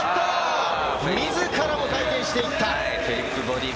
自らも回転していった！